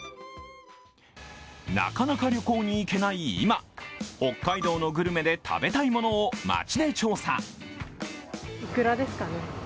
なかなか旅行に行けない今北海道のグルメで食べたいものを街で調査。